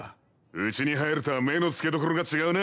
うちに入るとは目の付けどころが違うな。